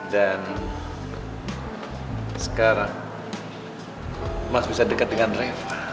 dan sekarang mas bisa dekat dengan rema